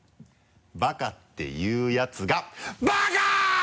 バカって言うやつがバカ！